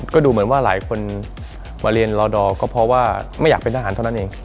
ก็ดูเหมือนว่าหลายคนมาเรียนรอดอร์ก็เพราะว่าไม่อยากเป็นทหารเท่านั้นเอง